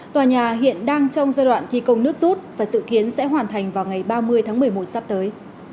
tòa nhà hiện đang trong giai đoạn thi công nước rút và dự kiến sẽ hoàn thành vào ngày ba mươi tháng một mươi một sắp tới